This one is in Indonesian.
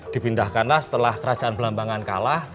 dipindahkanlah setelah kerajaan belambangan kalah